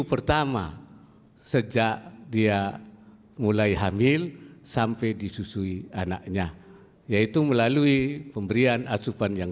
pertama sejak dia mulai hamil sampai disusui anaknya yaitu melalui pemberian asupan yang